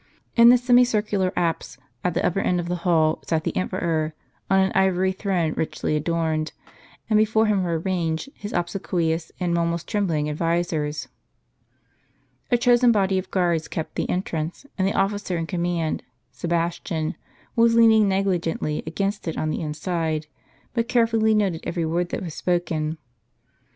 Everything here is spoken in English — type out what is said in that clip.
In the semicircular apse at the upper end of the hall, sat the emperor, on an ivory throne richly adorned, and before him were arranged his obsequious and almost trembling adviseis. A chosen body of guards kept the entrance ; and the officer in command, Sebastian, was leaning negligently against it on the inside, but carefully noted every word that was spoken.